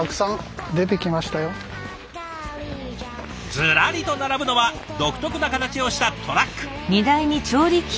ずらりと並ぶのは独特な形をしたトラック。